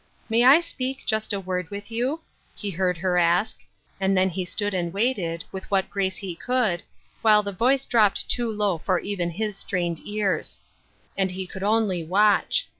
" May I speak just a word with you?" he heard her ask, and then he stood and waited, with what grace he could, while the voice dropped too low for even his strained ears ; and he could only watch.